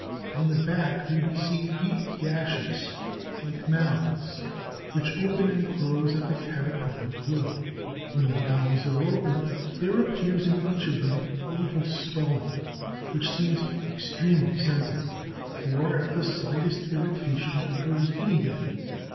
On the back may be seen eight gashes, like mouths, which open and close at the Caterpillar's will. When the mouths are open there appears in each of them a little swelling, which seems extremely sensitive, for at the slightest irritation it goes in again.